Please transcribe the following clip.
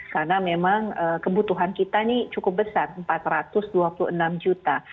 karena memang kebutuhan kita ini cukup besar empat ratus dua puluh enam juta